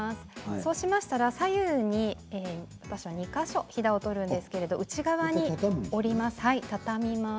そうしましたら左右に２か所ひだを取るんですけれど内側に折ります。